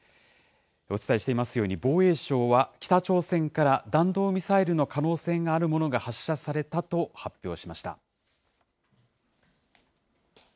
お伝えしていますように、防衛省は、北朝鮮から弾道ミサイルの可能性があるものが発射されたと発表しました。